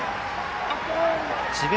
智弁